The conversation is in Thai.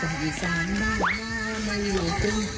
ตอนที่สามบ้านมามาอยู่ตรง